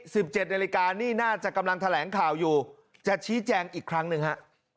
สิบเจ็ดนาฬิกานี่น่าจะกำลังแถลงข่าวอยู่จะชี้แจงอีกครั้งหนึ่งฮะ